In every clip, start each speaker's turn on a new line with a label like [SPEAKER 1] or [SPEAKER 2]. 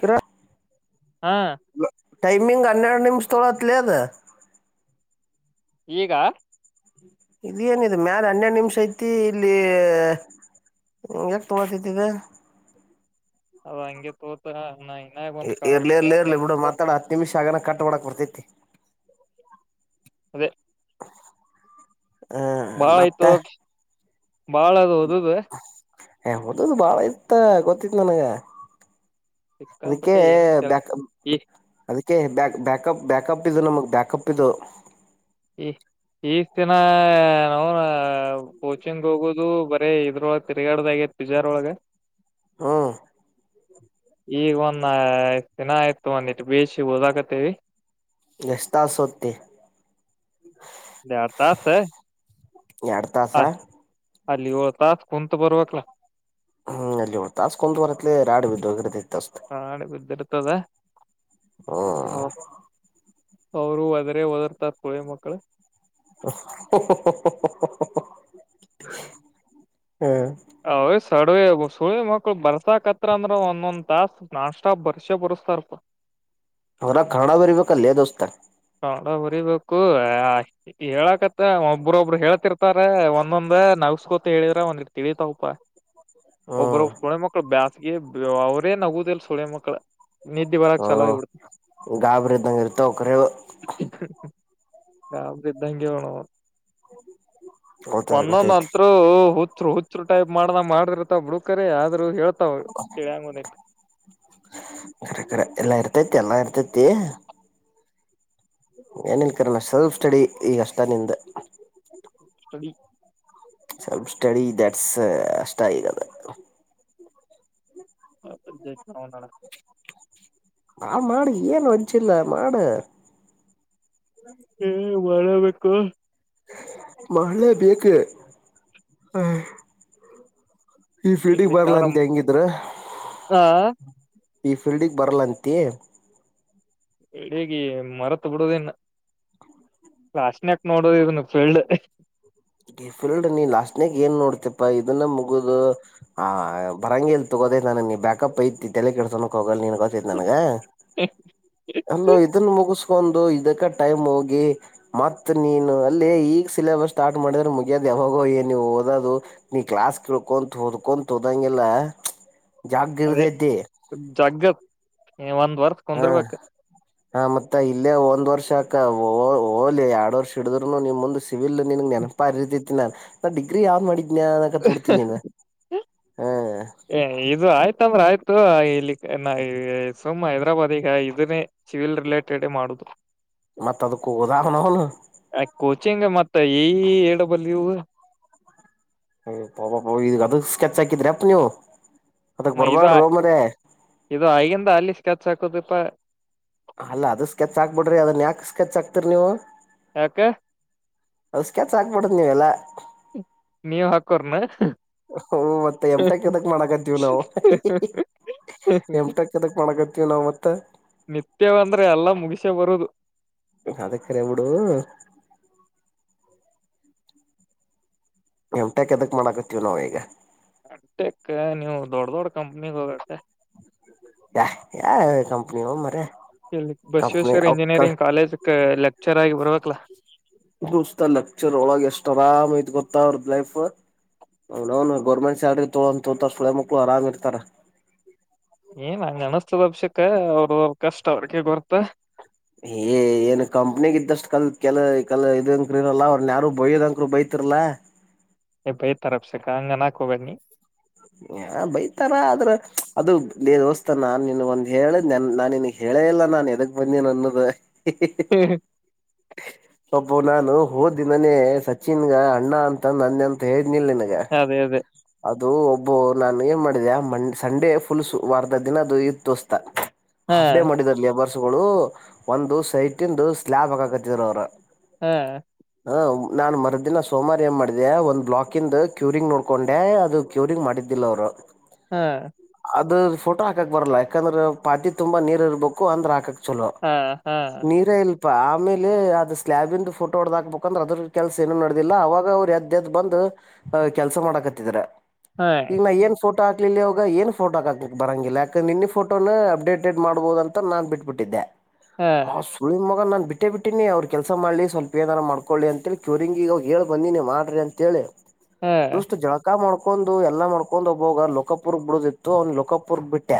[SPEAKER 1] ಕರ.
[SPEAKER 2] ಹಾ
[SPEAKER 1] ಟೈಮಿಂಗ್ ಹನ್ನೆರಡು ನಿಮಿಷ್ ತೊಳತ್ಲೆ ಅದು.
[SPEAKER 2] ಈಗ.
[SPEAKER 1] ಇದ್ ಏನಿದು ಮ್ಯಾಲ ಹನ್ನೆರಡು ನಿಮಿಷ ಐತಿ ಇಲ್ಲಿ. ಯಕ್ ತೋರುಸ್ತೇತ್ ಇದ್.
[SPEAKER 2] ಅದ್ ಹಂಗೆ ತೋತ್ -
[SPEAKER 1] ಇರ್ಲಿ ಇರ್ಲಿ ಇರ್ಲಿ ಬಿಡು ಮಾತಾಡ್ ಹತ್ ನಿಮಿಷ ಆಗೇನ ಕಟ್ ಮಾಡಕ್ ಬರ್ತೇತಿ.
[SPEAKER 2] ಅದೇ.
[SPEAKER 1] [inaudible]
[SPEAKER 2] ಭಾಳ
[SPEAKER 1] ಮತ್ತ
[SPEAKER 2] ಆಯ್ತು ಬಾಳ್ ಹದು ಓದದು.
[SPEAKER 1] ಹೇ ಓದದು ಬಾಳ ಇತ್ತ ಗೊತ್ತಿತ್ ನನಿಗ. ಅದಕ್ಕೆ
[SPEAKER 2] ಸಿಕ್ಕಾಪಟ್ಟೆ ಏನು ಕೆಲ್
[SPEAKER 1] ಬಾಕಿ
[SPEAKER 2] ಈ
[SPEAKER 1] ಅದಕ್ಕೆ ಬ್ಯಾಕ್ ಬ್ಯಾಕಪ್. ಬ್ಯಾಕಪ್ ಇದು ನಮ್ಗೆ ಬ್ಯಾಕಪ್ ಇದು.
[SPEAKER 2] ಹ್ಮ. ಇಷ್ಟ್ ದಿನ ನಾವ ಕೋಚಿಂಗ್ ಹೋಗೋದು ಬರೀ ಇದ್ರ ತಿರುಗಾಡೋದ್ [unintelligible] ಒಳಗ.
[SPEAKER 1] ಹ್ಮ್ಮ್.
[SPEAKER 2] ಈಗ ಒಂದ ಇಷ್ಟ್ ದಿನ ಆಯ್ತು ಒಂದಿಟ್ ಬೇಶ್ ಓದಾಕತ್ತೇವಿ.
[SPEAKER 1] ಎಷ್ಟ್ ತಸ್ ಹೋತೀ.
[SPEAKER 2] ಒಂದ್ ಎರಡ್ ತಾಸು.
[SPEAKER 1] ಎರಡ್ ತಾಸ.
[SPEAKER 2] ಅಲ್ಲಿ ಯೋಳ್ ತಸ್.
[SPEAKER 1] ಹ್ಮ್ ಅಲ್ಲಿ ಯೋಳ್ ತಸ್ ಕುಂತ್ ಓದತ್ಲಿ ರಾಡಿ ಬಿದೋಗಿರ್ತತಿ.
[SPEAKER 2] ರಾಡಿ ಬಿದಿರ್ತದ.
[SPEAKER 1] ಹೋ.
[SPEAKER 2] ಅವರು ಅದ್ರ ಓದರ್ತಾರ್ [unintelligible] ಮಕ್ಕಳು.
[SPEAKER 1] [unintelligible]
[SPEAKER 2] [unintelligible]
[SPEAKER 1] ಹ್ಮ
[SPEAKER 2] ಅವ್ ಸಡವ ಸುಳ ಮಕ್ಳು ಬರ್ಸಾಕತ್ರ ಅಂದ್ರ ಒಂದೊಂದ್ ತಾಸ ನಾಷ್ಟ ಬರ್ಸೆ ಬರ್ಸ ತರ್ಪ.
[SPEAKER 1] ಅವರ ಕನ್ನಡ ಬರ್ಬೇಕಲ್ಲೇ ದೋಸ್ತ.
[SPEAKER 2] ಕೌಡ ಬರಿಬೇಕು ಹೇಳಕತ್ತ ಒಬ್ಬ್ರೊಬ್ರು ಹೇಳ್ತಿರ್ತಾರೆ ಒಂದೊಂದು ನಗ್ಸ್ಕೋತ ಹೇಳಿದ್ರ ಒಂದ್ತಿಳೀತಾವಪ್ಪಾ.
[SPEAKER 1] ಹ್ಮ್
[SPEAKER 2] ಒಬ್ಬ್ರಬ್ [unintelligible] ಮಕ್ಳ ಬ್ಯಾಸಗೆ ಅವ್ರೇ ನಗುದಿಲ್ಲ [unintelligible] ಮಕ್ಳ. ನಿದ್ದಿ ಬರಾಕ್ ಚಲೋ ಆಗ್ಬಿಡ್ತ
[SPEAKER 1] ಹ ಗಾಬರಿ ಇದ್ದಂಗ ಇರ್ತಾವ ಕರೆ ಅವು.
[SPEAKER 2] ಗಾಬ್ರಿ ಇದ್ದಂಗೆ ಅವ್ನವ.
[SPEAKER 1] ಗೊತ್ತದ
[SPEAKER 2] ಒಂದೊಂದ್
[SPEAKER 1] ಗೊತ್ತೈತಿ
[SPEAKER 2] ಅಂತ್ರು ಹುಚ್ಚರು ಹುಚ್ಚರು ಟೈಪ್ ಮಾಡನ ಮಾಡಿರ್ತ ಬುಡ್ಕ್ರ ಆದ್ರರು ಹೇಳ್
[SPEAKER 1] ಕರೆ ಕರೆ ಎಲ್ಲಾ ಇರ್ತೇತ್ ಎಲ್ಲಾ ಇರ್ತೈತಿ. ಏನ್ ಕಣ ಸೆಲ್ಫ್ ಸ್ಟಡಿ ಈಗ ಅಷ್ಟ ನಿಂದು.
[SPEAKER 2] ಸ್ಟಡಿ
[SPEAKER 1] ಸಲ್ಫ ಸ್ಟಡಿ ದ್ಯಾಟ್ಸ್ ಅಷ್ಟ ಈಗದ. ಆ ಮಾಡ ಏನ್ ವಜ್ಜಿಲ್ಲ ಮಾಡ.
[SPEAKER 2] ಹ್ಮ್ [unintelligible] ಬೇಕು.
[SPEAKER 1] ಮಾಡಳೆ ಬೇಕು ಹ. ಈ ಫೀಲ್ಡಿಗೆ ಬರ್ಲ
[SPEAKER 2] ಇಲ್ಲಿಕ್ಕವ್ರ
[SPEAKER 1] ಅಂತ ಹೆಂಗಿದ್ರ.
[SPEAKER 2] ಹಾ
[SPEAKER 1] ಈ ಫೀಲ್ಡಗ್ ಬರಲ್ಲಂತಿ.
[SPEAKER 2] ಎಡಗ ಮರತ್ ಬಿಡೋದೀನ. ಲಶನ್ಯಕ್ ನೋಡುದು ಇನೀ ಫೀಲ್ಡ್.
[SPEAKER 1] [unintelligible] ಫಲ್ಡ್ ನೀ ಲಾಸ್ಟ್ನಗ್ ಏನ್ ನೋಡ್ತಪಾ ಇದನ್ನ ಮುಗುದು ಆ ಬರಾಂಗಿಲ್ತು. ಹೋದ ನಾನ ನೀ ಬ್ಯಾಪ್ ಐತಿ ತಲೆ ಕೆಡಸೋಕ್ಕೆ ಹೋಗಲ್ಲ ನೀ. [unintelligible] ಗತ ನನಗ ಅಲ್ಲ ಇದನ್ನು ಮುಗಿಸ [unintelligible] ಕ ಇದಕ್ಕ ಟೈಮ್ ಹೋಗಿ ಮತ್ತ ನೀನು ಅಲ್ಲಿ ಈಗ್ ಸಿಲೆಬಸ್ ಸ್ಟಾರ್ಟ್ ಮಾಡಿದ್ರೆ ಮುಗಿಯೋದ ಯಾವಾಗೋ ನೀವು ಓದೋದು ನೀ ಕ್ಲಾಸ್ ಕಳ್ಕೊ ಹೊಓದ್ಕೊಂತ ಓದ್ದಂಗಿಲ್ಲ. [unintelligible]
[SPEAKER 2] ಅದೇ ಜಗ್ಗತ್ ನೀ ಒಂದ್ ವರ್ತ್
[SPEAKER 1] ಹ
[SPEAKER 2] ಕುಂದರ್ಬೇಕ.
[SPEAKER 1] ಹ ಮತ್ತ ಇಲ್ಲೇ ಒಂದ್ ವರ್ಷ ಅಕ ಓ ಓಲಿ ಎರಡ್ ವರ್ಷ ಹಡಿದ್ರುನು ನಿಮ ಮುಂದ್ ಸಿವಿಲ್ ನಿನ್ ನೆನ ಪರಿತಿತಿ ನ ನಾ ಡಿಗ್ರಿ ಯಾವ್ ಮಾಡಿದ್ನಯ ಅನ್ನಕ್ ಅತ್ ಬಿಡ್ತೀನಿ ನೀನು ಹ.
[SPEAKER 2] ಏ ಇದು ಆಯ್ತಂದ್ರ ಆಯ್ತು ಇಲ್ಲಿ ನ ಸುಮ್ ಹೈದ್ರಾಬಾದ್ ಈಗ ಇದನ್ನೇ ಚಿ [unintelligible] ಲ್ ರಿಲೇಟೆಡ್ ಮಾಡುದು.
[SPEAKER 1] ಮತ್ತೆ ಅದ ಕೂದಾ ಹಣ ಅವನೌನ್.
[SPEAKER 2] ಕೋಚಿಂಗ್ ಮತ್ತ ಈ ಎಡಬಲ್ಲಿ ಯು.
[SPEAKER 1] ಯ ಪಪ ಹೊಗಿದ್ರು ಈ ಅದಕ ಸ್ಕೆಚ್ ಹಾಕಿದ್ರಿ ಅಪ್ಪ ನೀವು. ಅದಕ್
[SPEAKER 2] ಮ ಇದು
[SPEAKER 1] ಬರ್ಬಾಡ್ರೋ ಮರ್ಯಾ
[SPEAKER 2] ಇದು ಆಗಿಂದ ಅಲ್ಲಿ ಸ್ಕಚ್ ಹಾಕುದಪ.
[SPEAKER 1] ಅಲ್ಲ ಅದ ಸ್ಕೆಚ್ ಹಾಕ್ಬಿಡ್ರಿ ಅದನ್ ಯಾಕ್ ಸ್ಕೆಚ್ ಹಾಕ್ತಿರಿ ನೀವು.
[SPEAKER 2] ಯಾಕೆ
[SPEAKER 1] ಅದು ಸ್ಕೆಚ್ ಹಾಕಬಾರದು ನೀವೆಲ್ಲಾ.
[SPEAKER 2] ನೀವ್ ಹಾಕೋರ್ನ.
[SPEAKER 1] ಹಓ ಮತ್ತೆ ಎಮ್ ಟೆ ಕ್ ಎದಕ್ ಮಾಡಕತ್ತೀವಿ ನಾವು. ಎಂಟಕ್ ಎದಕ್ ಮಾಡಾಕತ್ತೀವಿ ನಾವ್ ಮತ್ತ
[SPEAKER 2] ನಿತ್ಯವಂದ್ರೆ ಎಲ್ಲಾ ಮುಗಿಸೆ ಬರುದು.
[SPEAKER 1] ಅದ ಕರೆ ಬಿಡು. ಎಂ ಟೆ ಕ್ಕ್ ಎದಕ್ ಮಾಡಾಕತಿವಿ ನಾವೀಗ.
[SPEAKER 2] ಎಂ ಟೆ ಕ್ ನೀವು್ ದೊಡ್ಡ ದೊಡ್.
[SPEAKER 1] ಯ ಯಾರ ಕಂಪನಿ ವೋ ಮರಾಯ.
[SPEAKER 2] ಇಲ್ಲಿ ಬಸವೇಶ್ವರ್ ಇಂಜಿನಿಯರಿಂಗ್ ಕಾಲೇಜ್ ಲೆಕ್ಚರ್ ಆಗಿ ಬರ್ಬೇಕಲ್ಲ.
[SPEAKER 1] ದೋಸ್ತ ಲೆಕ್ಚರ್ ಅವಾಗ ಎಷ್ಟ್ ಆರಾಮಿತ್ ಗೊತ್ತ ಅವ್ರದ ಲೈಫ್. ಹ ಅವ್ನೌನು ಗೌರ್ಮೆಟ್ ಸ್ಯಾಲ್ರಿ ತೊಳೊ ತೋಳ [unintelligible] ಮಕ್ಳು ಆರಾಮ್ ಇರ್ತಾರ.
[SPEAKER 2] ಏ ನಂಗ ಅನಸ್ತದ ಅಭಿಷಕ್ ಅವರು ಕಷ್ಟ ಅವ್ರಿಗೆ ಗೊತ್ತ
[SPEAKER 1] ಏ ಏನ್ ಕಂಪ್ನಿಗ ಇದ್ದಷ್ಟ್ ಕಲ್ ಕೆಲ ಕಲ ಇದಂಕ್ರ ಇರಲ್ಲ ಅವ್ರ ಯಾರು ಬಯೋದಂಕರು ಬೈತ್ ಕುರಲ
[SPEAKER 2] ಎ ಬ ತರಪ್ಸಕ್ಕ ಅಂಗ ನಕೋಬ್ಣಿ
[SPEAKER 1] ಹ ಬೈತಾರ ಆದ್ರ ಅದು ದ ದೋಸ್ತ ನಾನ್ ನಿನ್ಗ ಒಂದ್ ಹೇಳ ನನ್ ನಾನಿನಗ್ ಹೇಳ ಬೆಳೆ ಇಲ್ಲ ನಾನನ್ ಎದಕ್ ಬಂದೇನ ಅನ್ನೋದು ಒಬು ನಾನು ಹೋದ್ ದಿನನೇ ಸಚಿನ್ಗ ಅಣ್ಣ ಅಂತ ನನ್ನ ಅಂತ ಹೇಳನಿಲ್ ನನ್ಗ
[SPEAKER 2] ಅದೇ ಅದೇ
[SPEAKER 1] ಅದು ಒಬ್ಬ ನಾನು ಏನ್ ಮಾಡಿದ ಮ ಸಂಡೆ ಫುಲ್ಸು ವಾರದ ದಿನ ಅದು ಇತ್ತುೋಸ್ತ
[SPEAKER 2] ಹಾ
[SPEAKER 1] ಹಪ್ಡೇ ಮಾಡಿದಾರ ಲೇಬರ್ಸ್ಗಳು ಒಂದು ಸೈಟಂದು ಸ್ಲ್ಾಬ್ ಹಾಕಕತ್ತಿದ್ರ ಅವ್ರ
[SPEAKER 2] ಹ್ಮ್
[SPEAKER 1] ಹ ನಾನ್ ಮರದ್ದಿನ ಸೋಮವಾರ ಏ್ ಮಾಡಿದೆ ಒಂದ ಬ್ಲಾಕ ಇ್ ಕ್ಯೂರಿಂಗ್ ನೋಡ್ೊಂಡ ಹೇ ಅದು ಕ್ಯೂರಿಂಗ್ ಮಾಡಿದ್ದಿಲ್ಲ ಅವ್ರು
[SPEAKER 2] ಹಾ
[SPEAKER 1] ಅದು ಫೋಟೋ ಹಾಕಕ್ ಬರಲ್ಲ ಯಾಕಂದ್ರೆ ಪಾತಿ ತುಂಬಾ ನೀರ್ ಇರಬೇಕು ಅಂದ್ರೆ ಹಾಕಕ್ ಚಲೋ
[SPEAKER 2] ಹಾ
[SPEAKER 1] ನೀರೆ ಇಲ್ ಆಮೇಲೆ ಅದು ಸ್ಲಾಬಿಂದು ಇಂದು ಫೋಟೋ ಹೊಡ್ದ ಹಾಕ್ಬೇಕುಂದ್ರೆ ಅದ್ರ ಕೆಲಸ ಏನನು ನಡದಿಲ್ಲ ಅವಾಗ ಅವ್ರು ಎದ್ದ ಎದ್ ಬಂದು ಕೆಲಸ ಮಾಡಕತ್ತಿದ್ರ
[SPEAKER 2] ಹಾ ಹಾ
[SPEAKER 1] ಈಗ ನ ಏನ್ಫೋ ಫಟೋ ಹಾಕ್ಲಿ ಅವಾಗ ಏ ಫೋಟೋ ಹಾಕ್ಾಕ್ ಬರಂಗಿಲ್ಲ ಯಾಕಂದೆ ನಿನ್ನ ಫೋಟೋನ ಅಪ್ಡೇಟೆಡ್ ಮಾಡ್ಬಹುದು ಅಂತ ನಾನನ್ ಬಿಟ್ಬಿಟ್ಟಿದ್ದೆ
[SPEAKER 2] ಹಾ
[SPEAKER 1] ಹ ಮಗ ನಾನ್ ಬಿಟ್ಟೇ ಬಿಟ್ಟೀಿನಿ ಅವ್ರರು ಕೆಲಸ ಮಾಡ್ಲಿ ಸ್ವಲ್ಪ ಏನಾದಾರ ಮಾಡ್ಕೊಳ್ಳಿ ಅಂತೇಳಿ ಕ್ಯೂರಿಂಗಗೆಗ ಹೇಳಳ್ ಬಂದೀಿನಿ ಮಾಡ್ರಿ ಅಂತೇಳಿ
[SPEAKER 2] ಹಾ
[SPEAKER 1] ದೋಸ್ತ ಜ ಎಲ್ಲ ಮಾಡ್ಕೊಂಡು ಎಲ್ಲಾ ಮಾಡ್ಕೊಂಡ್ ಒಬ್ಬೋಗ ಲೊಕಪುರ್ಗ್ ಬಿಡುದದಿತ್ತು ಅವ್ನ್ ಲೊಕಪುರ್ಗ್ ಬಿಟ್ಟೆ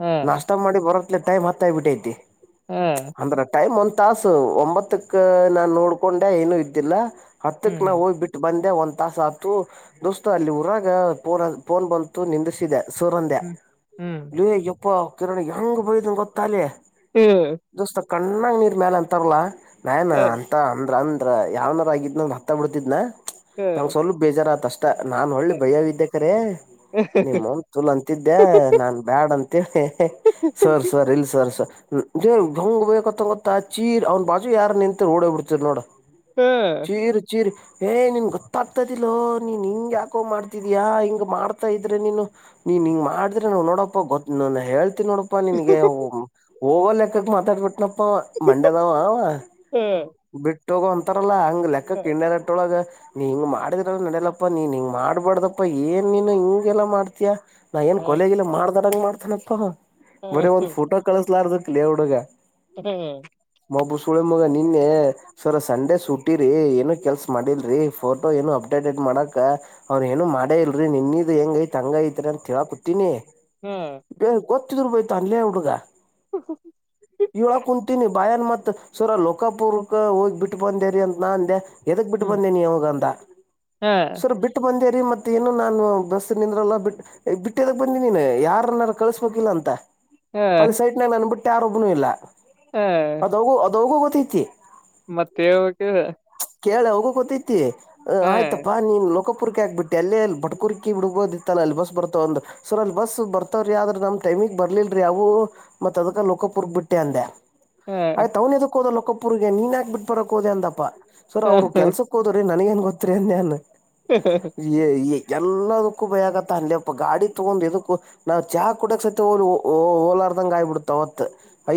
[SPEAKER 2] ಹಾ
[SPEAKER 1] ನಾಷ್ಟ ಮಾಡಿ ಬರತ್ಲೆ ಟೈಮ್ ಹತ್ತ ಆಬಿಟ್ಟೈತಿ
[SPEAKER 2] ಹಾ
[SPEAKER 1] ಅಂದ್ರ ಟೈಮ್ ತಾಸು ಒಂಬತಕ್ಕ ನಾನ್ ನೋಡ್ಕೊಂಡೆ ಏನು ಇದ್ದಿಲ್ಲ ಹತ್ತಕ್ ನಾ
[SPEAKER 2] ಹ್ಮ್
[SPEAKER 1] ಹೋಗ್ ಬಿಟ್ಟು ಬಂದ ಒಂದ್ ತಾಸ ಆತು ದೋಸ್ತ ಅಲ್ಲಿ ಊರಾಗ ಫೋನ್ ಫೋನ್ ಬಂತು ನಿಂದಿಸಿದೆ ಸೂರಂದೆ
[SPEAKER 2] ಹ್ಮ್ ಹ್ಮ್
[SPEAKER 1] ಎಪ್ಪ ಕಿರಣ್ ಹೆಂಗ್ ಬಯ್ದನ್ ಗೊತ್ತಾಲಿ
[SPEAKER 2] ಹ್ಮ್
[SPEAKER 1] ಕಣ್ಣಾಗ ನೀರ್ ಮ್ಯಾಲ ಅಂತರಲ್ಲ ನನ್ ಅಂತ ಅಂದ್ರ ಅ ಯಾವ್ನಾರ ಆಗಿದ್ ನ ಹತ್ತ ಬಿಡ್ತಿದ್
[SPEAKER 2] ಹಾ ಹಾ ಹಾ
[SPEAKER 1] ನಂಗ್ ಸ್ವಲ್ಪ ಬೇಜಾರ ಆತಷ್ಟ ತ್ತ ನಾನ್ ಒಳ್ಳೆ
[SPEAKER 2] ಹಾ
[SPEAKER 1] ಭಯವಿದ್ದೆ ಕರೆ ನಿಮ್ಮ ಮಮ ತುಲ್ ಅಂತಿದ್ದೆ ನಾನ್ ಬ್ಯಾಡ ಅಂತೀ ಸೋರ್ ಸೋರ್ ಇಲ್ ಸೋರ್ಸರ್ ದೇ್ಂಗ್ ಬೇಕತ್ತಂಗೊತ್ತ ಚೀರ್ ಅವ್ನ್ ಬಾಜು ಯಾರ ನಿಂತ ಓಡೇ ಬಿಡ್ತರ್ ನೋಡ ಚೀರ್ ಚೀರ್ ಏ ನಿನ್ ಗೊತ್ತಾಗ್ತದಿಲ್ಲೋ ನೀನ್ ಹಿಂಗ್ ಯಾಕೋ ಮಾಡ್ತಿದ್ಯಾಾ ಹಿಂಗ್ ಮಾಡ್ತಾ ಇದ್ರೆ ನೀನು ನೀನ್ ಹಿಂಗ ಮಾಡಿದ್ರೆ ನಾ ನೋಡಪ್ಪ ಗೊ ಹೇಳ್ತಿ ನೋಡಪ್ಪಾ ನನ್ಗೆ ಹಓೋಗ ಲೆಕ್ಕಕ್ ಮಾತಾಡ್ಬಿಟ್ಟನ ಮಂಡ್ಯದಾವ
[SPEAKER 2] ಹಾ ಹಾ
[SPEAKER 1] ಬಿಟ್ಟೋಗ ಒಂತಾರಲ್ಲ ಲೆಕ್ಕಕ್ಕ್ ನೀ ಹಿಂಗ ಮಾಡಿದ್ರಲ್ ನಡಲಪ್ಪಾ ನೀನ್ ಹಿಂಗ್ ಮಾಡ್ಬಾರಡ್ದಪ್ಪಾ ಏನ್ ನೀನು ಹಿಂಗಗೆಲ್ಲಾ ಮಾಡ್ತಯಾ ನಾ ಏನ್ ಕೊಲೆಗಿಲ್ಲ ಮಾಡ್ದಡಂಗ ಮಾಡ್ತೇನಪ್ಪ ಬರೀ ಒಂದ್ ಫೋಟೋ ಕಳಿಸಲಾರ್ದ ಕಲೇ ಹುಡುಗ
[SPEAKER 2] ಹ್ಮ್
[SPEAKER 1] ಮಬು ಸುಳೆ ಮಗ ನೀ ಇನ್ನೆ ಸರ್ ಸಂಡೇ ಸುಟ್ಟಿರಿ ಏನು ಕೆಲ್ಸ ಮಾಡಿಲ್ರರಿ ಫೋಟೋ ಏನು ಅಪ್ಡೇಟೆಡ್ ಮಾಡಕ ಅವ್ರ ಏನು ಮಾಡೇ ಇಲ್ರಿ ನಿನ್ದ್ ಹೆಂಗ ಐ ಹಂಗ ಐತ್ರಿ ಅಂತ ಕುಂತೀನಿ
[SPEAKER 2] ಹ್ಮ್
[SPEAKER 1] ಯತ ಅನ್ ಹುಡುಗ ಇವಳ ಕುಂತೀನಿ ಬಾಯನ್ ಮತ್ ಸುರೋ ಕ್ಕಪೂರ್ಕ ಹೋಗಿಬ ಬಿಟ್ಟು ಬಂದೇರಿ ಅಂತ ನ ಅಂದೆ ಎದಕ್ ಬಿಟ್ಟು
[SPEAKER 2] ಹ್ಮ್
[SPEAKER 1] ಬಂದೇನಿ ಯಾಗ ಅಂತ
[SPEAKER 2] ಹಾ
[SPEAKER 1] ಸರ್ ಬಿಟ್ಟು ಬಂದೆ ರಿ ಮತ್ತೆ ಏನು ನಾನು ಬಸ್ ನಿಿಂದ್ರಲ್ಲ ಬಿ ಬಿಟ್ಟದಾಗ ಬಂದಿನಿ ನೀನ್ ಯಾರನಾರ ಕಳಸ್ಬೇಕಿಲ್ಲಾ ಅಂತ
[SPEAKER 2] ಹಾ
[SPEAKER 1] ಅಲ್ಲಿ ಸೈಟ್ನಾಗ ನನ್ ಬಿಟ್ಟು ಯಾರೊಬ್ಬನು ಇಲ್ಲ ಅದೋಗು ಅದ ಹೋಗು ಗೊತ್ತೈತಿ
[SPEAKER 2] ಮತ್ತೆ ಹೇಳಬೇಕು
[SPEAKER 1] ಕೇಳ ಹೋಗೋ ಗೊತ್ತೈತಿ ಆಯ್ತಪ್ಪಾ ನೀನ್ ರೋಕ್ ರ್ಕಿ ಆಕ್ಬಿಟ್ಟ ಅಲ್ಲಿ ಅಲ್ಲಿ ಬಟ್ಕುರ್ಕೀ ಬಿಡಬೋದಿತ್ತಲ್ಲ ಅಲ್ಲಿ ಬಸ್ ಬರ್ತವ್ ಅಂದ ಸರ್ ಅಲ್ಲಿ ಬಸ್ ಬರ್ತವ್ರ ಆದ್ರ ನಮ ಟೈಮ್ ನಿಗ್ ಬರ್ಲಿಲ್ರಿ ಯಾವು ಮತ್ ಅದಕ ಲೋಕಪುರ್ಗ್ ಬಿಟ್ಟೆ ಅಂದೆ
[SPEAKER 2] ಹಾ
[SPEAKER 1] ಆಯ್ತ್ ಅವ್ನ್ ಎದಕ್ ಹೋದ ಲೊಕ್ಕಪ್ಪುರ್ಗೆ ನೀನ್ ಯಾಕ್ ಬಿಟ್ ಬರಕ್ ಹೋದೆ ಅಂದಪ ಸರ್
[SPEAKER 2] ಹಾ
[SPEAKER 1] ಅವ್ರು ಕೆಲ್ಸಕ್ ಹೋದ್ರಿ ನನಿಗೆನ್ ಗೊತ್ತರಿ ಅನ್ಡೆನಾನ್. ಎಲ್ಲದಕ್ಕೂ ಭಯ ಗೊತ್ತಾನ್ ಲೇಪ ಗಾಡಿ ತಗೊಂಡ್ ಎದಕ್ ನಾವು ಚಾ ಕುಡಕ್ ಸತ್ ಆಗ್ ಬಿಡ್ತ್ ಅವತ್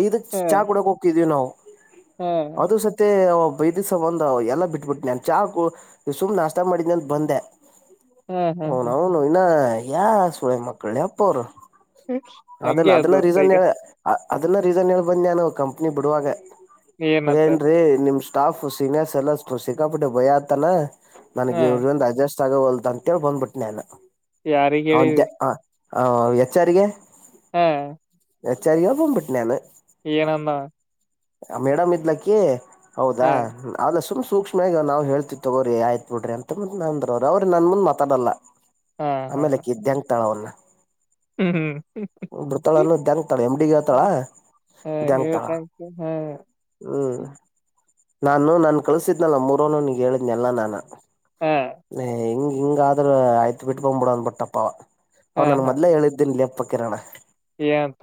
[SPEAKER 1] ಐದಕ್
[SPEAKER 2] ಹಾ
[SPEAKER 1] ಚಾ ಕ ಕುಡಕ್ ಹೋಗಿದೀವಿ ನಾವ್
[SPEAKER 2] ಹಾ
[SPEAKER 1] ಅದು ಸತ ಬೈದ ಸಂಬಂಧ ಎಲ್ಲಾ ಬಿಟ್ಬಿಟ್ಟುನ ನನ್ ಚಾ ಸುಮ್ನೆ ನಾಷ್ಟ ಮಾಡಿದನ ಅಂತ ಬಂದ್ಯಾ
[SPEAKER 2] ಹಾ ಹಾ ಹಾ
[SPEAKER 1] ಅವ್ನೂನ್ ಇನ್ನ ಯಾ ಸುಳೆ ಮಕ್ಕಲೆಪ್ಪ ಅವ್ರು. ಅದನ್ನ
[SPEAKER 2] ಹಂಗೆ ಅದ್
[SPEAKER 1] ಅದನ್ನ
[SPEAKER 2] ದೋಸ್ತ
[SPEAKER 1] ರೀಸನ್
[SPEAKER 2] ಈಗ
[SPEAKER 1] ಹೇಳ ಹ ಅದಲ್ಲ ರೀಸನ್ ಹೇಳ್ಬಂದ್ ನಾನು ಕಂಪ್ನಿ ಬಿಡುವಾಗ
[SPEAKER 2] ಏನತ್ತ
[SPEAKER 1] ಏನ್ರೀ ನಿಮ್ ಸ್ಟಾಫ್ ಸೀನಿಯರ್ಸ್ ಎಲ್ಲಷ್ಟು ಸಿಕ್ಕಾಪಿಟ್ಟಿ ಭಯತಾನ ನನ್ಗ್
[SPEAKER 2] ಹಾ
[SPEAKER 1] ಇವ್ರಿಂದ ಅಡ್ಜಸ್ಟ್ ಆಗೋಲ್ದ ಅಂತೇಳಿ ಬಾಂಡ್ಬಿಟ್ನ್ಯ ನಾನ್.
[SPEAKER 2] ಯಾರಿಗ್ ಹೇಳಿದಿ.
[SPEAKER 1] ಹ ಹೆಚ್ಚಾರಿಗೆ.
[SPEAKER 2] ಹ್ಮ
[SPEAKER 1] ಎಚಾರ್ಗೆಳಿ ಬಂದ್ ಬಿಟ್ಟೆ ನಾನ್.
[SPEAKER 2] ಏನಂದವ
[SPEAKER 1] ಮೇಡಮ್ ಇದ್ಲಕ್ಕಿ ಹೌದಾ
[SPEAKER 2] ಹಾ
[SPEAKER 1] ಅದ್ ಸುಮ್ ಸುಮ್ನ್ ಸೂಕ್ಷ್ಮಗಿ ನಾವ್ ಹೇಳ್ತಿವಿ ತಗೋರಿ ಆಯ್ತ ಬುಡ್ರೀ ಅಂತ ನಂದ್ರ ಅವ್ರ ಅವ್ರ ನನ್ ಮುಂದ್ ಮಾತಾಡಲ್ಲ.
[SPEAKER 2] ಹಾ ಹಾ
[SPEAKER 1] ಆಮೇಲೆ
[SPEAKER 2] ಹಾ
[SPEAKER 1] ಅಕಿದ್ದ್ಯಾಂಗತಳವನ್ನ.
[SPEAKER 2] ಹ್ಮ್ ಹ್ಮ್
[SPEAKER 1] ಬಿಡ್ತಾಳನ್ನು ದ್ಯಾಂಗ್ತಾಳ ಎಮ್ಡಿಗ್ ಹೇಳ್ತಾಳ
[SPEAKER 2] [unintelligible] ಹಾ ಇವ
[SPEAKER 1] ದ್ಯಾಂಗ್ತಾಳ
[SPEAKER 2] [inaudible] ಹಾ
[SPEAKER 1] ಹ್ಮ್ ನಾನು ನನ್ ಕಳ್ಸಿದ್ನಲ್ಲ ಮೂರನು ನೀ ಹೇಳಿದ್ನೆಲ್ಲ ನಾನ
[SPEAKER 2] ಹಾ
[SPEAKER 1] ಹಿಂಗ್ ಹಿಂಗಾದ್ರ ಆಯ್ತ ಬಿಟ್ ಬುಂಡ್ಬಿಡು ಅಂದ ಬುಟ್ನಪವ
[SPEAKER 2] ಹಾ
[SPEAKER 1] ಅವ್ ನಾನ
[SPEAKER 2] ಹಾ
[SPEAKER 1] ಮೊದ್ಲೀ ಹೇಳಿದ್ದೇನಿ ಲೆಪ್ಪ ಕಿರಣ.
[SPEAKER 2] ಏನಂತ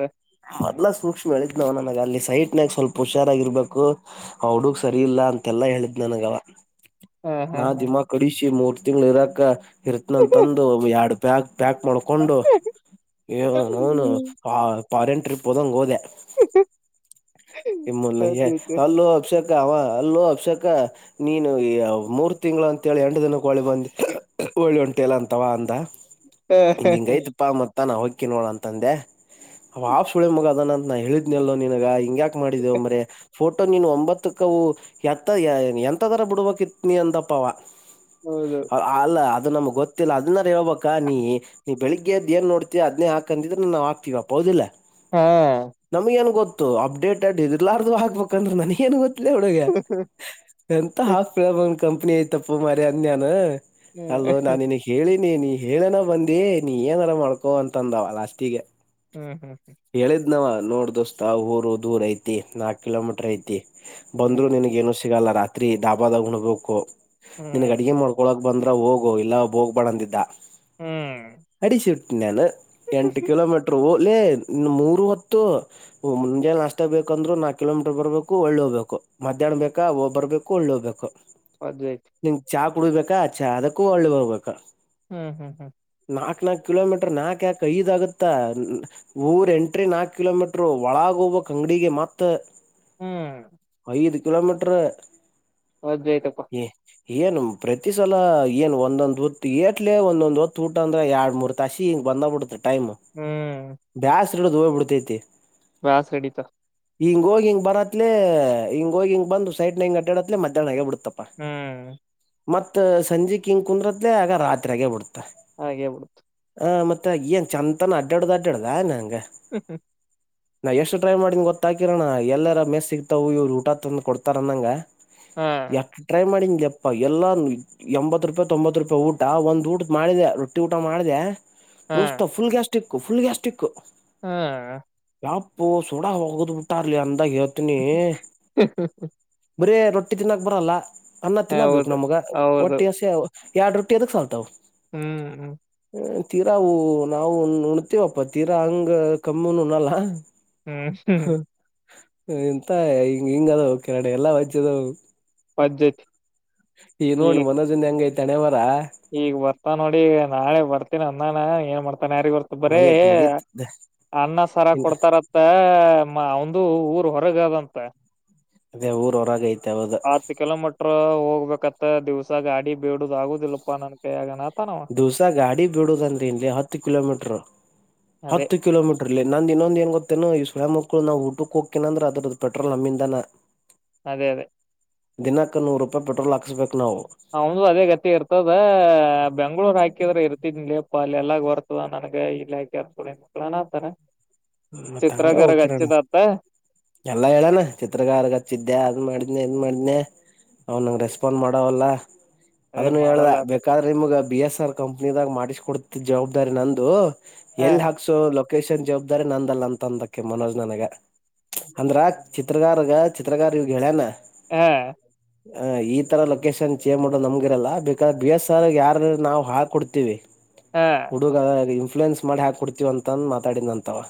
[SPEAKER 1] ಮೊದ್ಲ ಸೂಕ್ಷ್ಮಿ ಹೇಳಿದ್ನವ ನನಗ ಅಲ್ಲಿ ಸೈಟ್ನ್ಯಾಗ ಸ್ವಲ್ಪ ಹುಷಾರಾಗಿರ್ಬೇಕ್ ಕು ಅವಡುಗ್ ಸರಿ ಇಲ್ಲ ಅಂತೆಲ್ಲಾ ಹೇಳಿದ್ ನನಗವ
[SPEAKER 2] ಹಾ ಹಾ
[SPEAKER 1] ನಾ
[SPEAKER 2] ಹಾ
[SPEAKER 1] ದಿಮಾಕಡಿಸಿ ಮೂರ್ ತಿಂಗಳ ಇರಕ ಇರ್ತನಂತಂತಂದು ಯಾಡ್ ಪ್ಯಾಕ್ ಪ್ಯಾಕ್ ಮಾಡ್ಕೊಂಡು [unintelligible] ಏ ಔನೌನ್ ಅ ಫಾರೆನ್ ಟ್ರಿಪ್ ಹೋದಂಗೆ ಹೊದ್ಯಾ [unintelligible] ಇಮ್ಮ
[SPEAKER 2] ಅದ್ಕೆ
[SPEAKER 1] ಅಲೋ ಅಕ್ಷ ಅವ ಅಲ್ಲೋ ಅಭಿಷೇಕ ನೀನು ಮೂರು ಟಿಂಗ್ಳ್ ಅಂತ ಹೇಳಿ ಎಂಟ್ ದಿನಕ್ ಹೊಳ್ಳಿ ಬಂದ್ ಹೊಳ್ಳಿ ಹೊಂಟಲ ಅಂತ ಅವ ಅಂದ
[SPEAKER 2] ಹಾ ಹಾ
[SPEAKER 1] ಹಿಂಗಿಂಗ್
[SPEAKER 2] ಹಾ
[SPEAKER 1] ಐತಪ ನಾನು ಹೊಕ್ಕಿ ನೋದಪ ಅಂತ ಅಂದೆ ಆಫ್ ಸುಳೆ ಮಗ ಅದಾನ ಅಂತ ನಾ ಹೇಳಿದ್ನಲ್ಲೋ ನಿನಗ ಹಿಂಗ್ಯಾಕ್ ಮಾಡಿದೊ ಮರಯ ಫೋಟೋ ನೀನು ಒಂಬತ್ತಕ್ಕವು ಎತ್ತ ಎಂತರದಗ ಬಿಡ್ಬೇಕಿತ್ನ ಅಂದಪ್ಪವ
[SPEAKER 2] ಹೌದು
[SPEAKER 1] ಅಲ್ಲ ಅದು ನಮ್ಗ್ ಗೊತ್ತಿಲ್ಲ ಅದನ್ನಾರ ಹೇಳ್ಬಳ್ ನೀ ಬೆಳಿಗ್ಗೆ ಎದ್ ಏನ್ ನೋಡ್ತೀ ಅದ್ನೆ ಹಾಕಂದಿದ್ರೆ ನಾವು ಹಾಕ್ತಿವಪ್ಪ ಹೌದಿಲ್ಲ
[SPEAKER 2] ಹಾ
[SPEAKER 1] [unintelligible] ನಮಗೆನ್ಗೋತ್ ಅಪ್ಡೇಟ್ ಅಡ್ ಇರ್ಲರವೂ ಆಗ್ಬೇಕುಂದ್ರೆ ನನಿಗೆನ್ ಗೊತ್ತು. ಇ ಹುಡುಗ ಎಂತ ಆಪಸೂಳೆಮಗನಕಂಪ್ನಿ ಐತ ತಪ್ಪ ಮಾರ ಅಂದ ನಾನ ಅಲ್ಲೋ
[SPEAKER 2] ಹ್ಮ್
[SPEAKER 1] ನಾನಿಗೇಳಿನಿ ನೀ ನೀ ಹೇಳನ ಬಂದಿ ನೀ ಏನಾರ ಮಾಡ್ಕೊ ಅಂತಂದವ ಲಾಸ್ಟಿಗೆ.
[SPEAKER 2] ಹ್ಮ್ ಹ್ಮ್ ಹ್ಮ್
[SPEAKER 1] ನಾವ ನೋಡ್ ದೋಸ್ತ ಊರು ದೂರ ಐತಿ ನಾಕ್ ಕಿಲೋಮೀಟರ್ ಐತಿ
[SPEAKER 2] ಹ್ಮ್
[SPEAKER 1] ಬಂದ್ರು
[SPEAKER 2] ಹ್ಮ್
[SPEAKER 1] ನಿನಗೇನು ಸಿಗಲ್ಲ ರಾತ್ರಿ ಡಾಬಾದಾಗ್ ಉಣ್ಬೇಕು ನಿನ್ಗ್
[SPEAKER 2] ಹ್ಮ್
[SPEAKER 1] ಅಡಿಗೆ ಮಾಡ್ಕೊಲಾಕ್ ಬಂದ್ರ ಹೋಗು ಇಲ್ಲಂದ್ರ ಹೋಗ್ಬ್ಯಾಡ ಅಂದಿದ್ದ
[SPEAKER 2] ಹ್ಮ್
[SPEAKER 1] [unintelligible] ಅಡಿಸಿಟ್ಟಿ ನಾನ ಎಂಟು ಕಿಲೋಮೀಟರು ಉ ಲ್ಲೇ ಮೂರು ಹೊತ್ತು ಮುಂಜೆಲ್ ನಾಸ್ಟಾ ಬೇಕಂದ್ರು ನಾಕ್ ಕಿಲೋಮೀಟರ್ ಬರ್ಬೇಕು ಒಳ್ಳೆ ಹ್ಬೇಕು ಮಧ್ಯಾಹ್ ಬೇಕಾ ಒ ಬರ್ಬೇಕು ಒಳ್ಳೆ ಹೋಗ್ಬೇಕು
[SPEAKER 2] ಅದುಲೆ
[SPEAKER 1] ನಿಂಗ್ ಚಾ ಕುಡಿಬೇಕಾ ಅಚ್ಚೆ ಅದಕ್ಕೂ ಒಳ್ಳೆ ಹೋಗ್ಬೇಕಾ
[SPEAKER 2] ಹ್ಮ್ ಹ್ಮ್ ಹ್ಮ್
[SPEAKER 1] ನಾಕ್ ನಾಕಕ್ ಕಿಲೋಮೀಟರ್ ನಾಕ್ಕಕ್ ಐದ್ಗುತ್ತ ಊರ್ ಎಂಟ್ರಿ ನಾಕಕ್ ಕಿಲೋಮೀಟರ್ ಒಳಗ ಬ ಅಂಗಡಿಗೆ ಮಾತ್
[SPEAKER 2] ಹ್ಮ್
[SPEAKER 1] ಐದು ಕಿಲೋಮೀಟರ್
[SPEAKER 2] ಅದ ಆಯ್ತಪ್ಪ
[SPEAKER 1] ಏನು ಪ್ರತಿ ಸಲ ಏನ್ ಒಂದೊಂದ್ ಹೊತ್ತು ಏಟ್ಲೆ ಒಂದೊಂದ್ ಹೊತ್ತು ಊಟ ಅಂದ್ರೆ ಎರಡ್ ಮೂರು ತಾಸಿ ಬಂದ್ಬ ಬಿಡತ ಟೈಮ್
[SPEAKER 2] ಹ್ಮ್
[SPEAKER 1] ಬ್ಯಾಸ್ ಇಡೋದು ಹೋಗ್ಬ ಬಿಡ್ತೈತಿ
[SPEAKER 2] ಬ್ಯಾಸರ ಆಗ್ಯಾತ
[SPEAKER 1] ಹಿಂಗ ಹೋಗಿಂಗ ಬರತ್ತತ್ ಹಿಂಗ ಹಿಂಗಂದು ಸೈಡ್ ಹಂಗ ಹಡ್ಯಾಡತ್ಲೇ ಮಧ್ಯಾಹ್ನ ಆಗೇ ಬಿಡತ ಪ್ಪ
[SPEAKER 2] ಹ್ಮ್
[SPEAKER 1] ಮತ್ ಸಂಜೆ ಹಿಂಗ್ ಕುಂದ್ರತ್ಲೆ ಆಗ ರಾತ್ರಿಯಾಗೆ ಬಿಡ್ತಾ
[SPEAKER 2] ಹಾಗೇಳ್ಬಿಡುತ್ತು
[SPEAKER 1] ಹ ಮತ್ತೆ ಏನ್ ಚಂದಂತನ ಅಡ್ಡಾಡ್ದ ಅಡ್ಡ್ದ ನಂಗೆ
[SPEAKER 2] ಹತ
[SPEAKER 1] ನಾ ಎಷ್ಟು ಡ್ರೈ ಮಾಡಿದಿ ಗೊತ್ತ ಹಾಕಿರಣ ಎಲ್ಲರ ಮೇಸ್ ಸಿಗ್ತಾವವು ಇವ್ರು ಊಟ ತಂದ ಕೊಡ್ತಾರಂದಂಗ
[SPEAKER 2] ಹಾ
[SPEAKER 1] ಎಷ್ಟ ಟ್ರೈ ಮಾಡಿಂಗೆ ಇಪ್ಪ ಎಲ್ಲಾ ಎಂಬತ್ ರೂಪಾಯಿ ತೊಂಬತ್ತು ರೂಪಾಯಿ ಊಟ ಒಂದ್ ಊಟದ ಮಾಡಿದೆ ರೊಟ್ಟಿ ಊಟ ಮಾಡಿದೆ
[SPEAKER 2] ಹಾ
[SPEAKER 1] ದೋಸ್ತ ಫುಲ್ ಗ್ಯಾಸ್ಟಿಕ್ ಫುಲ್ ಗ್ಯಾಸ್ಟಿಕ್
[SPEAKER 2] ಹಾ
[SPEAKER 1] ಕಾಪು ಸುಡ ಹೋಗದ್ ಬಿಟ್ಟಾರ್ಲಿ ಅಂದಾಗ ಹೇಳ್ತನಿ ಬರೇ ನ ರಟ್ಟಿ ತಿನ್ನಾಕ್ ಬರಲ್ಲ ಅನ್ನ ತಿನ್ನಕ್ಬೇಕು
[SPEAKER 2] ಹೌದು
[SPEAKER 1] ನಮಗ
[SPEAKER 2] ಹೌದು
[SPEAKER 1] ಒಟ್ಟಿ ಹಸಿ ಎರಡ್ ರೊಟ್ಟಿ ಅದಕ್ ಸಲ್ತಾವ
[SPEAKER 2] ಹ್ಮ್ ಹ್ಮ್
[SPEAKER 1] ತೀರಾ ನಾವು ಹುಣ ತೇವಪ್ಪ ತೀರಾ ಹಂಗ ಕಮ್ಮಿಹುಣ್ಣಲ
[SPEAKER 2] ಹ್ಮ ಅಷ್ಟೇ
[SPEAKER 1] ಎಂತ ಹಿಂಗ ಹಿಂಗ ಅದು ಕೆರಡೆ ಎಲ್ಲಾ ವಜ್ಯ ಅದ
[SPEAKER 2] ಬಜೆ
[SPEAKER 1] ಈ ನೋ ಮನೋಜನ್ ಹೆಂಗ ಹೈತಿ ಹಣೆಬರಹ
[SPEAKER 2] ಈಗ ಬರ್ತಾ ನೋಡಿ ನಾಳೆ ಬರ್ತೀನ ಅನ್ನಾನ ಏನ್ ಮಾಡ್ತ ನ್ ಯಾರಿಗ ಹೊರ್ತ ಬರೀ
[SPEAKER 1] ಮುಗೇತ್ ಮುಗೀತ್
[SPEAKER 2] ಅನ್ನ ಸರ ಕೊಡ್ತಾರಂತ ಮ್ಮ ಅವಂದು ಊರ್ ಹೊರಗದಂತ
[SPEAKER 1] ಅದೇ ಊರ ಹೊರಾಗ ಐತ
[SPEAKER 2] ಹತ್ತ ಕಿಲೋಮೀಟರ್ ಹೋಗ್ಬೇಕತ್ತ ದಿವ್ಸ ಗಾಡಿ ಬೇಡುದ ಆಗುದಿಲ್ಲಪ್ಪಾ ನನ್ ಕೈ ಆಗನ
[SPEAKER 1] ದಿವಸ ಗಾಡಿ ಬಿಡುದಂದ ಇನ್ಲಹತ್ತು ಕಿಲೋಮೀಟರ್
[SPEAKER 2] ಅದೇ
[SPEAKER 1] ಹತ್ತು ಕಿಲೋಮೀಟರ್ಲ್ಲಿ ನಂದ್ ಇನ್ನೊಂದ ಏನ್ ಗೊತ್ತೇನು ಈ ಸುಳೆ ಮಕ್ಳು ನಾವುಊಟಕಕ್ ಹೋಗ್ತೀನಿ ಅಂದ್ರೆ ಅದ್ರ ಪೆಟ್ರೋಲ್ ನಮ್ಮಿಂದನ
[SPEAKER 2] ಅದೇ ಅದೇ
[SPEAKER 1] ದಿನಾಕ ನೂರುಪಾಯಿ ಪೆಟ್ರೋಲ್ ಹಾಕ್ಸ್ಬೇಕು
[SPEAKER 2] ಹೌಂದು ಅದೇ ಗತಿ ಇರ್ತದ ಬೆಂಗ್ಳೂರ್ ಹಾಕಿದ್ರ ಇರ್ತಿದ್ಲಿ ಅಪ್ಪ ಅಲ್ಲಿ ಎಲ್ಲ್ ಬರ್ತದ ನನ್ಗೆ ಇಲ್ಲಿ ಹಾಕೆ ಅರ್ಳ ಮಕ್ಳು ಅನತಾರೆ
[SPEAKER 1] ಮತ್ತ ಹಂಗ ಹೋಗಕಿರೋಣ ಎಲ್ಲಾ ಹೇಳಣ ಚಿತ್ರಕಾರಗೆ ಹಚ್ಚಿದ್ದೆ ಅದ್ ಮಾಡಿದ್ನೇ ಮಾಡನೆ ಅವ್ನಂಗ ರೆಸ್ಪಾಂಡ್ ಮಾಡವಲ್ಲ
[SPEAKER 2] ಅದೇ
[SPEAKER 1] ಅದನ್ನು ಹೇಳ್ದ
[SPEAKER 2] ಮಾಡೋಲ್ಲ ಆತ
[SPEAKER 1] ಬೇಕಾದ್ರೆ ನಿಮ್ಗ ಬಿ ಎಸ್ ಆರ್ ಕಂಪ್ನಿದಾಗ ಮಾಡಿಸ ಕೊಡ್ತಿದ್ದ ಜವಾಬ್ದಾರಿ ನಂದು
[SPEAKER 2] ಹಾ
[SPEAKER 1] ಎಲ್ ಹಾಕ್ಸು ಲೊಕೇಶನ್ ಜವಾಬ್ದಾರಿ ನಂದಲ್ಲ ಅಂತ ಅಂದಕ್ಕೆ ಮನೋಜ್ ನನಗ ಅಂದ್ರ ಚಿತ್ರಗಾರ್ಗ ಚಿತ್ರಗಾರ್ ಇಗೆ ಹೇಳ್ಯನ
[SPEAKER 2] ಹಾ
[SPEAKER 1] ಹ ಈ ತರ ಲೊಕೇಶನ್ ಚೇಜ್ ಮಾಡೋದು ನಮಗಿರಲ್ಲ ಬೇಕಾದ್ರೆ ಬಿ ಎಸ್ ಆರ್ ಯಾರ ನಾವವು ಹಾ ಕೊಡ್ತಿವಿ ಹುಡುಗ ಇನ್ಫ್ಲೂಯೆನ್ಸ್ ಮಾಡಿ ಹಾಕ್ ಕೊಡ್ತಿವ ಅಂತಂದ ಮಾತಾಡಿದ ಅಂತವ